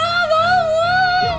ya allah bangun